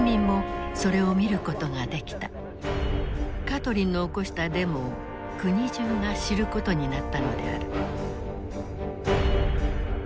カトリンの起こしたデモを国中が知ることになったのである。